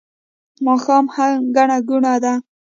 ماښام هم ګڼه ګوڼه ده